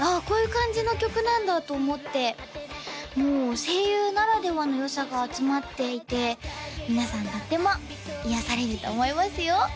こういう感じの曲なんだと思ってもう声優ならではの良さが集まっていて皆さんとっても癒やされると思いますよ